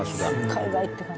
海外！って感じ。